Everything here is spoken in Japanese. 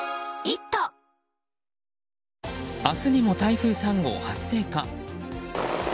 明日にも台風３号、発生か。